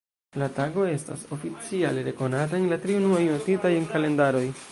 La tago estas oficiale rekonata en la tri unuaj, notita en kalendaroj.